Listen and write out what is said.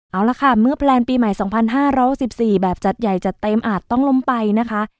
เอาละค่ะเมื่อแพลนปีใหม่๒๕๖๔แบบจัดใหญ่จัดเต็มอาจต้องล้มไปนะคะ